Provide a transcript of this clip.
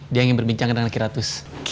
dia yang ingin berbincang dengan kira tuz